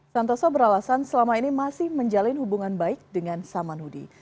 santoso beralasan selama ini masih menjalin hubungan baik dengan samanhudi